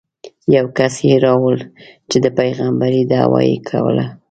یو کس یې راوړ چې د پېغمبرۍ دعوه یې کوله.